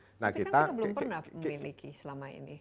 tapi kan kita belum pernah memiliki selama ini